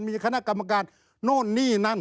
มีคณะกรรมการนู่นนี่นั่น